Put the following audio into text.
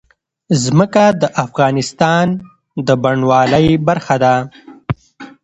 ځمکه د افغانستان د بڼوالۍ برخه ده.